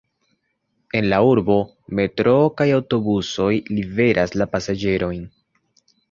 En la urbo metroo kaj aŭtobusoj liveras la pasaĝerojn.